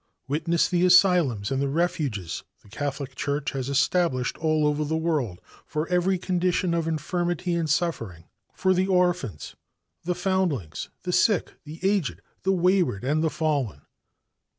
Witness the asylums and the refuges the Catholic Church has established all over the world for every condition of infirmity and suffering for the orphans, the foundlings, the sick, the aged, the wayward and the fallen.